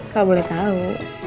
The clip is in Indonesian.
kau boleh tahu